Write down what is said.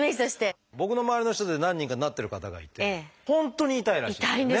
僕の周りの人で何人かなってる方がいて本当に痛いらしいんですよね。